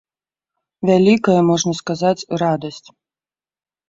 Вялікая, можна сказаць, радасць!